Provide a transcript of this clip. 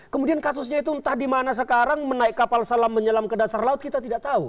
kemudian kasusnya itu entah di mana sekarang menaik kapal salam menyelam ke dasar laut kita tidak tahu